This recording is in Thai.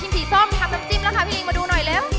สีส้มทำน้ำจิ้มแล้วค่ะพี่ลิงมาดูหน่อยเร็ว